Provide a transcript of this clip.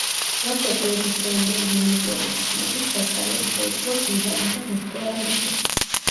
ლაშა-გიორგის დროინდელი მემატიანის ცნობით, ზაქარიამ შეიპყრო გუზანი და მიჰგვარა მეფეს.